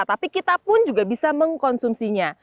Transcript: tapi kita pun juga bisa mengkonsumsinya